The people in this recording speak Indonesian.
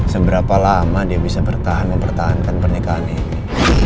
seberapa lama dia bisa bertahan mempertahankan pernikahan ini